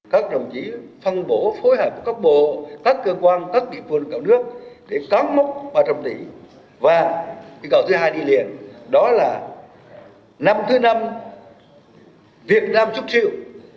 các đồng chí phân bổ phối hợp với các bộ các cơ quan các địa phương cả nước để cán mốc ba trăm linh tỷ và yêu cầu thứ hai đi liền đó là năm thứ năm việt nam xuất siêu